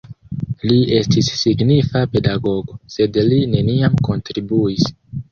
Li estis signifa pedagogo, sed li neniam kontribuis.